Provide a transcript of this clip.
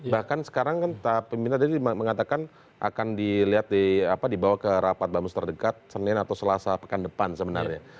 bahkan sekarang kan pembina tadi mengatakan akan dilihat dibawa ke rapat bamus terdekat senin atau selasa pekan depan sebenarnya